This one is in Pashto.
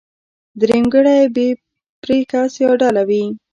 درېمګړی بې پرې کس يا ډله وي.